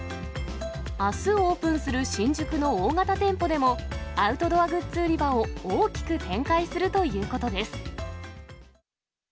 あすオープンする新宿の大型店舗でも、アウトドアグッズ売り場を、大きく展開するということです。